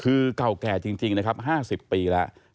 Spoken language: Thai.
คือเก่าแก่จริงนะครับ๕๐ปีแล้ว